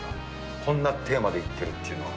こんなテーマでいってるというのを。